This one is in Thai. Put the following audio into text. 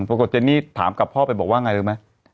ปรากฏเจนี่ถามกับพ่อไปบอกว่าไงรู้มั้ย